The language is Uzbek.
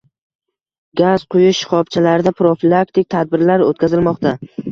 Gaz quyish shaxobchalarida profilaktik tadbirlar o‘tkazilmoqda